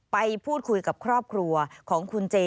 ไปพูดคุยกับครอบครัวของคุณเจ